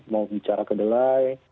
mau bicara kedelai